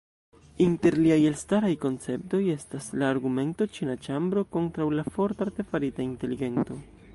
Inter liaj elstaraj konceptoj estas la argumento "Ĉina ĉambro" kontraŭ la "forta" artefarita inteligento.